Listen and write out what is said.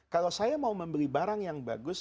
kalau saya mau membeli barang yang bagus